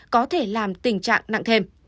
có thể làm tình trạng nặng thêm